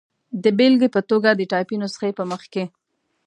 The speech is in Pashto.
د بېلګې په توګه، د ټایپي نسخې په مخ کې.